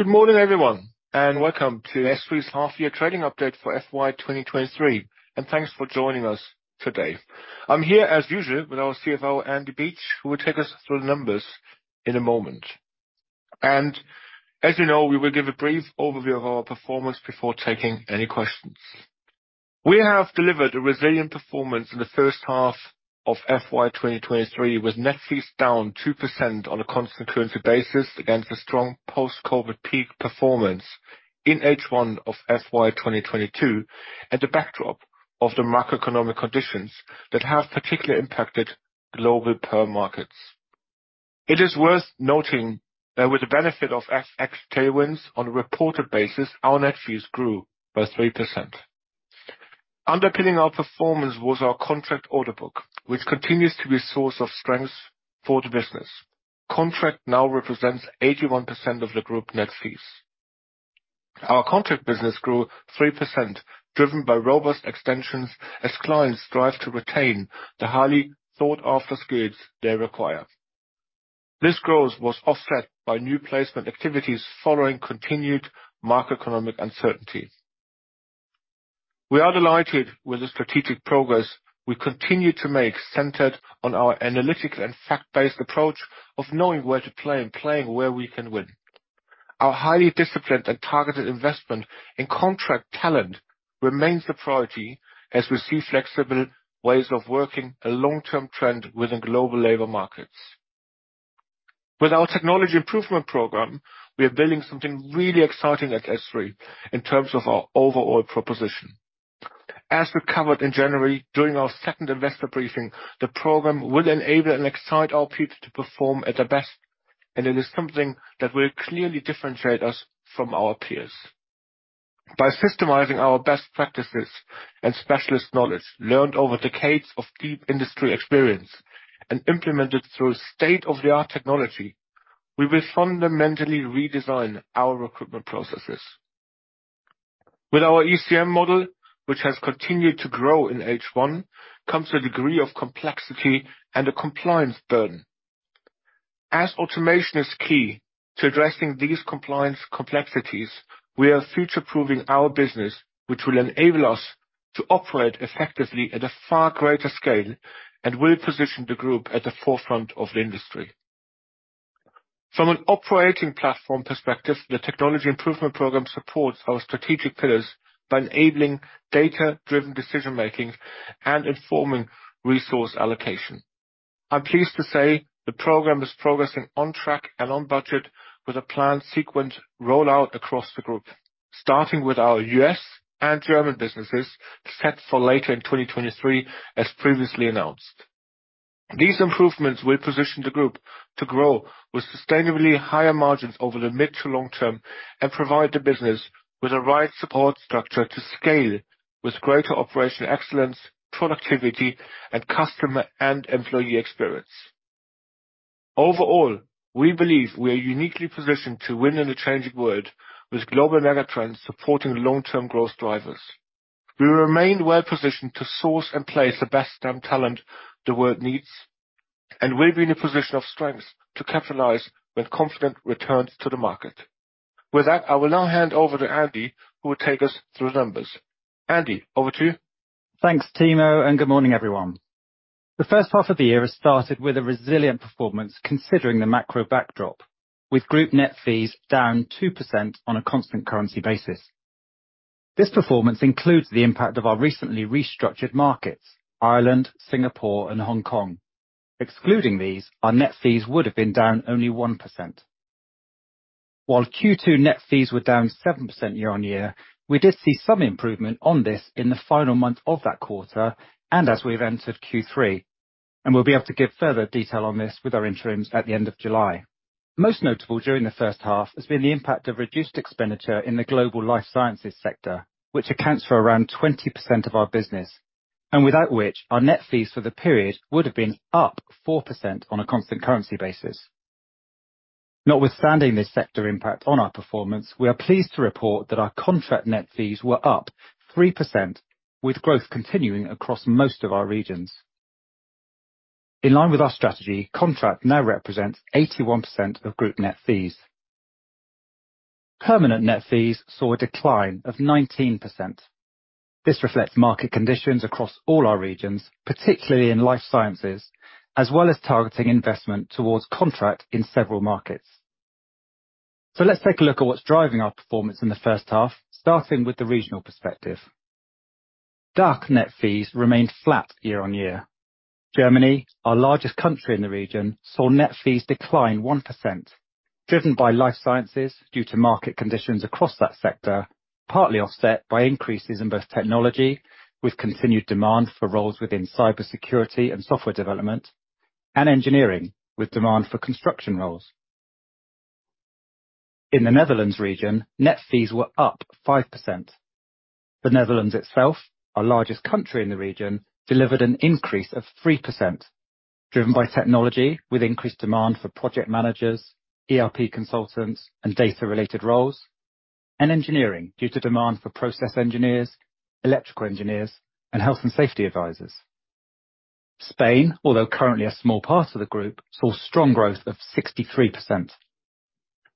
Good morning, everyone, welcome to SThree's half year trading update for FY 2023, thanks for joining us today. I'm here, as usual, with our CFO, Andrew Beach, who will take us through the numbers in a moment. As you know, we will give a brief overview of our performance before taking any questions. We have delivered a resilient performance in the first half of FY 2023, with net fees down 2% on a constant currency basis against a strong post-COVID peak performance in H1 of FY 2022, at the backdrop of the macroeconomic conditions that have particularly impacted global perm markets. It is worth noting that with the benefit of FX tailwinds on a reported basis, our net fees grew by 3%. Underpinning our performance was our contractor order book, which continues to be a source of strength for the business. Contract now represents 81% of the group net fees. Our contract business grew 3%, driven by robust extensions as clients strive to retain the highly sought-after skills they require. This growth was offset by new placement activities following continued macroeconomic uncertainty. We are delighted with the strategic progress we continue to make, centered on our analytical and fact-based approach of knowing where to play and playing where we can win. Our highly disciplined and targeted investment in contract talent remains a priority, as we see flexible ways of working a long-term trend within global labor markets. With our Technology Improvement Programme, we are building something really exciting at SThree in terms of our overall proposition. As we covered in January during our second investor briefing, the program will enable and excite our people to perform at their best, and it is something that will clearly differentiate us from our peers. By systemizing our best practices and specialist knowledge learned over decades of deep industry experience and implemented through state-of-the-art technology, we will fundamentally redesign our recruitment processes. With our ECM model, which has continued to grow in H1, comes a degree of complexity and a compliance burden. As automation is key to addressing these compliance complexities, we are future-proofing our business, which will enable us to operate effectively at a far greater scale and will position the Group at the forefront of the industry. From an operating platform perspective, the Technology Improvement Programme supports our strategic pillars by enabling data-driven decision making and informing resource allocation. I'm pleased to say the program is progressing on track and on budget with a planned sequenced rollout across the group, starting with our U.S. and German businesses, set for later in 2023, as previously announced. These improvements will position the group to grow with sustainably higher margins over the mid to long term and provide the business with the right support structure to scale, with greater operational excellence, productivity, and customer and employee experience. Overall, we believe we are uniquely positioned to win in a changing world, with global megatrends supporting long-term growth drivers. We remain well positioned to source and place the best STEM talent the world needs, and we'll be in a position of strength to capitalize when confidence returns to the market. With that, I will now hand over to Andy, who will take us through the numbers. Andy, over to you. Thanks, Timo. Good morning, everyone. The first half of the year has started with a resilient performance, considering the macro backdrop, with group net fees down 2% on a constant currency basis. This performance includes the impact of our recently restructured markets: Ireland, Singapore and Hong Kong. Excluding these, our net fees would have been down only 1%. While Q2 net fees were down 7% year-on-year, we did see some improvement on this in the final month of that quarter, and as we've entered Q3. We'll be able to give further detail on this with our interims at the end of July. Most notable during the first half has been the impact of reduced expenditure in the global life sciences sector, which accounts for around 20% of our business, and without which, our net fees for the period would have been up 4% on a constant currency basis. Notwithstanding this sector impact on our performance, we are pleased to report that our contract net fees were up 3%, with growth continuing across most of our regions. In line with our strategy, contract now represents 81% of group net fees. Permanent net fees saw a decline of 19%. This reflects market conditions across all our regions, particularly in life sciences, as well as targeting investment towards contract in several markets. Let's take a look at what's driving our performance in the first half, starting with the regional perspective. DACH net fees remained flat year-on-year. Germany, our largest country in the region, saw net fees decline 1%, driven by life sciences due to market conditions across that sector, partly offset by increases in both technology, with continued demand for roles within cybersecurity and software development, and engineering, with demand for construction roles. In the Netherlands region, net fees were up 5%. The Netherlands itself, our largest country in the region, delivered an increase of 3%, driven by technology with increased demand for project managers, ERP consultants and data-related roles, and engineering, due to demand for process engineers, electrical engineers, and health and safety advisors. Spain, although currently a small part of the group, saw strong growth of 63%.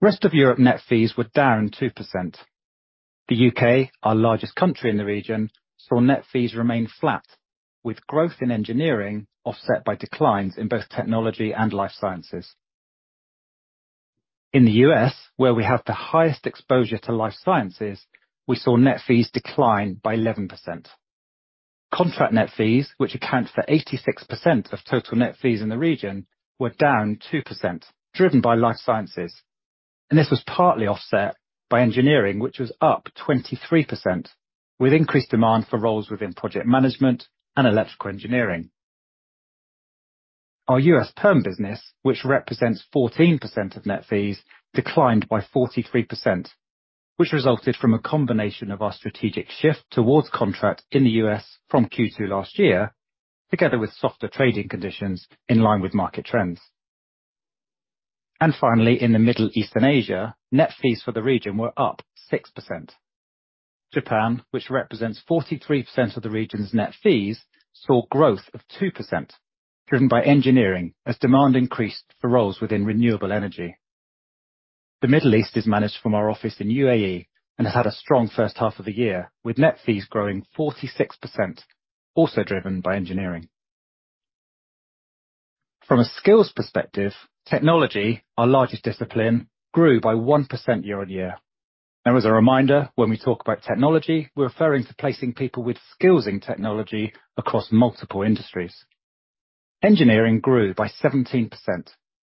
Rest of Europe net fees were down 2%. The U.K., our largest country in the region, saw net fees remain flat, with growth in engineering offset by declines in both technology and life sciences. In the U.S., where we have the highest exposure to life sciences, we saw net fees decline by 11%. Contract net fees, which account for 86% of total net fees in the region, were down 2%, driven by life sciences, and this was partly offset by engineering, which was up 23%, with increased demand for roles within project management and electrical engineering. Our U.S. perm business, which represents 14% of net fees, declined by 43%, which resulted from a combination of our strategic shift towards contract in the U.S. from Q2 last year, together with softer trading conditions in line with market trends. Finally, in the Middle East and Asia, net fees for the region were up 6%. Japan, which represents 43% of the region's net fees, saw growth of 2%, driven by engineering, as demand increased for roles within renewable energy. The Middle East is managed from our office in UAE and had a strong first half of the year, with net fees growing 46%, also driven by engineering. From a skills perspective, technology, our largest discipline, grew by 1% year-on-year. As a reminder, when we talk about technology, we're referring to placing people with skills in technology across multiple industries. Engineering grew by 17%,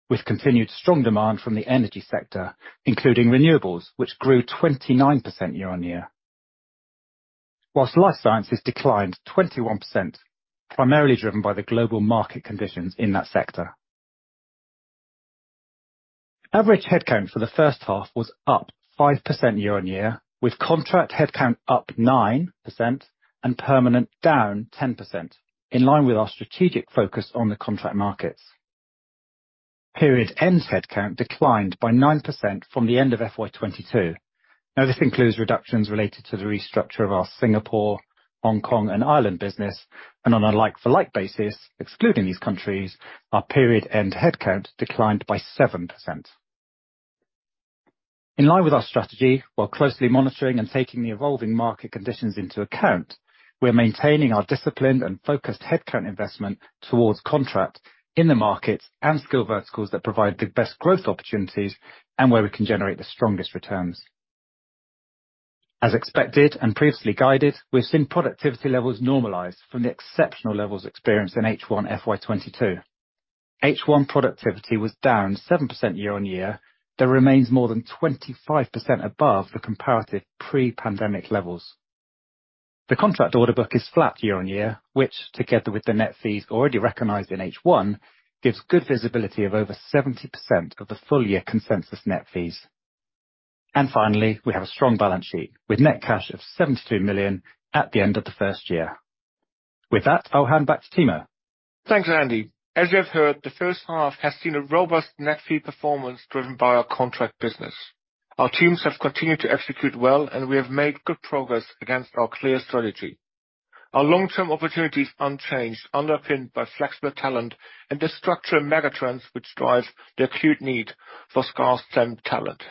with continued strong demand from the energy sector, including renewables, which grew 29% year-on-year. Life sciences declined 21%, primarily driven by the global market conditions in that sector. Average headcount for the first half was up 5% year-over-year, with contract headcount up 9% and permanent down 10%, in line with our strategic focus on the contract markets. Period-end headcount declined by 9% from the end of FY 2022. This includes reductions related to the restructure of our Singapore, Hong Kong, and Ireland business, and on a like-for-like basis, excluding these countries, our period-end headcount declined by 7%. In line with our strategy, while closely monitoring and taking the evolving market conditions into account, we are maintaining our disciplined and focused headcount investment towards contract in the markets and skill verticals that provide the best growth opportunities and where we can generate the strongest returns. As expected and previously guided, we've seen productivity levels normalize from the exceptional levels experienced in H1 FY 2022. H1 productivity was down 7% year-on-year, that remains more than 25% above the comparative pre-pandemic levels. The contractor order book is flat year-on-year, which, together with the net fees already recognized in H1, gives good visibility of over 70% of the full year consensus net fees. Finally, we have a strong balance sheet with net cash of 72 million at the end of the first year. With that, I'll hand back to Timo. Thanks, Andy. As you have heard, the first half has seen a robust net fee performance driven by our contract business. Our teams have continued to execute well, and we have made good progress against our clear strategy. Our long-term opportunity is unchanged, underpinned by flexible talent and the structural megatrends which drives the acute need for scarce STEM talent.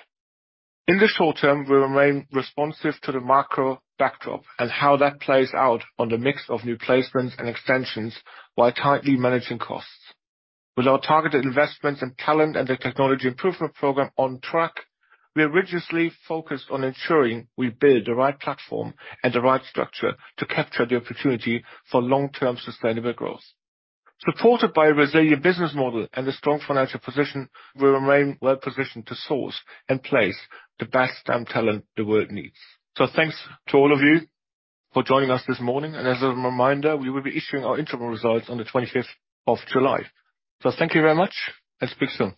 In the short term, we remain responsive to the macro backdrop and how that plays out on the mix of new placements and extensions while tightly managing costs. With our targeted investments in talent and the Technology Improvement Program on track, we are rigorously focused on ensuring we build the right platform and the right structure to capture the opportunity for long-term sustainable growth. Supported by a resilient business model and a strong financial position, we remain well positioned to source and place the best STEM talent the world needs. Thanks to all of you for joining us this morning, and as a reminder, we will be issuing our interim results on the 25th of July. Thank you very much, and speak soon.